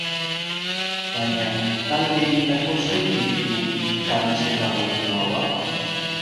Baina, talde bietako zeinek du kamiseta modernoagoa?